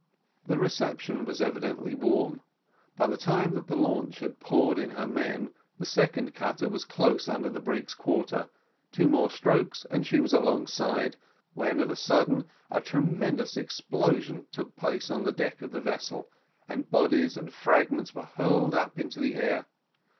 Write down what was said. The reception was evidently warm; by the time that the launch had poured in her men, the second cutter was close under the brig's quarter two more strokes and she was alongside; when of a sudden a tremendous explosion took place on the deck of the vessel, and bodies and fragments were hurled up in the air.